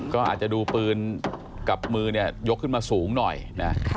ก็อาจจะดูปืนกับมือเนี่ยยกขึ้นมาสูงหน่อยนะ